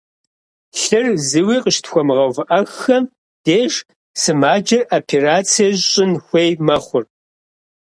Лъыр зыуи къыщытхуэмыгъэувыӏэххэм деж, сымаджэр операцие щӏын хуей мэхъур.